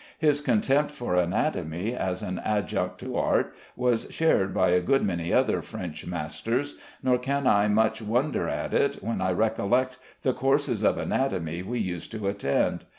His contempt for anatomy as an adjunct to art was shared by a good many other French masters, nor can I much wonder at it when I recollect the courses of anatomy we used to attend.